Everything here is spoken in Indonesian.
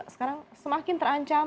sekarang semakin terancam